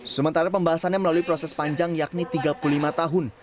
sementara pembahasannya melalui proses panjang yakni tiga puluh lima tahun